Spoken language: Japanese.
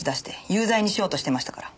有罪にしようとしていましたから。